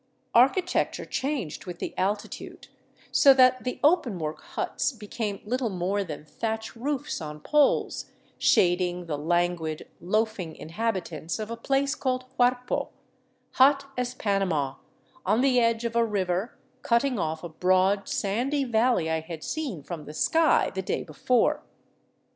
Architecture changed with the altitude, so that the openwork huts be came little more than thatch roofs on poles, shading the languid, loafing inhabitants of a place called Huarpo, hot as Panama, on the edge of a river cutting off a broad, sandy valley I had seen from the sky the day before.